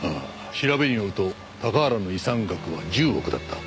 調べによると高原の遺産額は１０億だった。